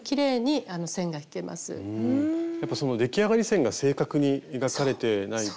やっぱその出来上がり線が正確に描かれてないと。